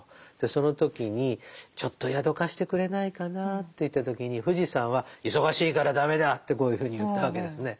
その時に「ちょっと宿を貸してくれないかな」と言った時に富士山は「忙しいから駄目だ」ってこういうふうに言ったわけですね。